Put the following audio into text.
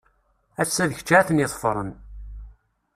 Ass- a d kečč ad ten-iḍfren.